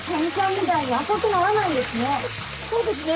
そうですね。